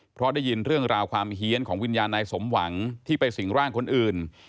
เพราะได้ยินเรื่องราวความเฮียนของวิญญาณนายสมหวังที่ไปสิ่งร่างคนอื่น